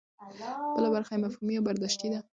بله برخه یې مفهومي او برداشتي ده.